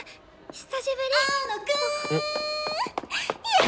久しぶり！